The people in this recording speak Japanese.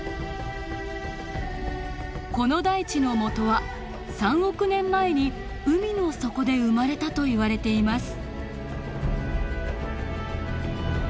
この大地のもとは３億年前に海の底で生まれたといわれています。